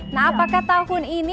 nah apakah tahun ini